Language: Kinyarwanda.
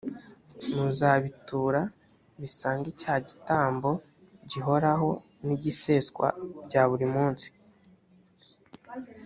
muzabitura bisanga cya gitambo gihoraho n’igiseswa bya buri munsi.